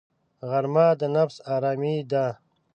غرمه د نفس آرامي ده